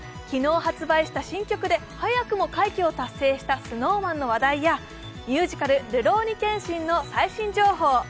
昨日発売した新曲で早くも快挙を達成したＳｎｏｗＭａｎの話題やミュージカル「るろうに剣心」の最新情報。